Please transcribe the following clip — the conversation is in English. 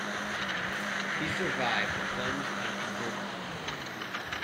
He survived the plunge uninjured.